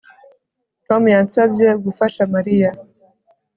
Tom yansabye gufasha Mariya